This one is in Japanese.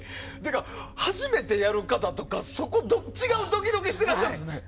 初めてやる方とかそこどっちがドキドキしてるんですかね。